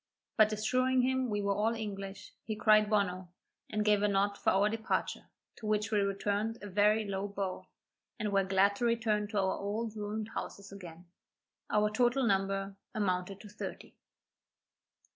But assuring him we were all English, he cried Bonno, and gave a nod for our departure, to which we returned a very low bow, and were glad to return to our old ruined houses again. Our total number amounted to thirty.